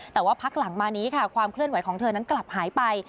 แต่ว่าพักหลังมานี้ค่ะความเคลื่อนไหวของเธอนั้นกลับหายไป